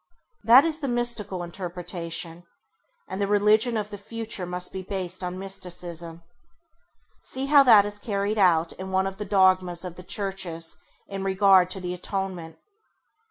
That is the mystical interpretation, and the religion of the future must be based on Mysticism. See how that is carried out in one of the dogmas of the Churches in regard to the Atonement.